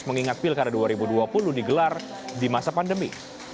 mengingat pilkada dua ribu dua puluh digelar di masa pandemi